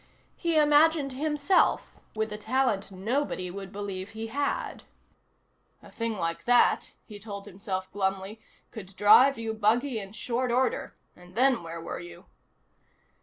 He imagined himself with a talent nobody would believe he had. A thing like that, he told himself glumly, could drive you buggy in short order and then where were you?